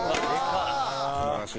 素晴らしい。